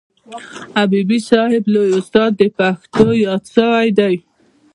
حبیبي صاحب لوی استاد د پښتو یاد سوی دئ.